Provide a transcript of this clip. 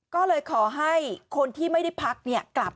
ก็เลยขอให้คนที่ไม่ได้พักกลับ